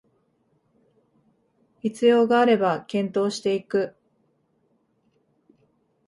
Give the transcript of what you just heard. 必要があれば検討していく